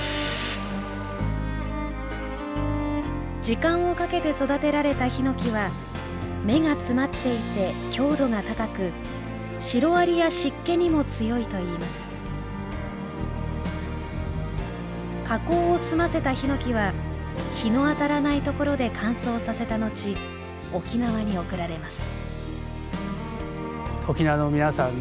時間をかけて育てられたヒノキは目が詰まっていて強度が高くシロアリや湿気にも強いといいます加工を済ませたヒノキは日の当たらない所で乾燥させた後沖縄に送られます